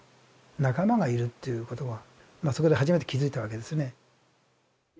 仲間がいるっていうことはそこで初めて気づいたわけですね。